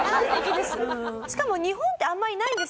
しかも日本ってあんまりいないんです。